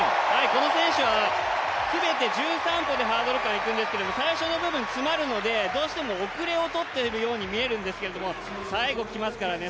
この選手は全て１３歩でハードル間いくんですけど最初の部分詰まるので、どうしても後れを取っているように見えるんですけども最後、来ますからね